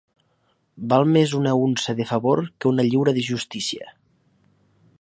Val més una unça de favor que una lliura de justícia.